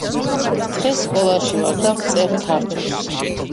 დღეს სკოლაში ვარ და ვწერ ქართულს